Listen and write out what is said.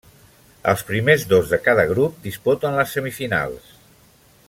Els primers dos de cada grup disputen les semifinals.